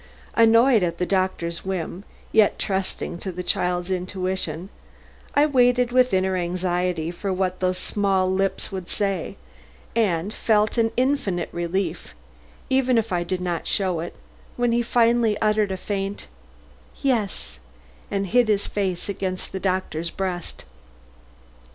Annoyed at the doctor's whim, yet trusting to the child's intuition, I waited with inner anxiety for what those small lips would say, and felt an infinite relief, even if I did not show it, when he finally uttered a faint "Yes," and hid his face again on the doctor's breast.